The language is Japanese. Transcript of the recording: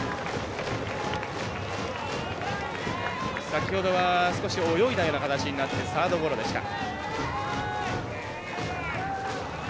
先ほどは少し泳いだような形になってサードゴロでした。